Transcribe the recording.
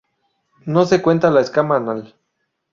No se cuenta la escama anal.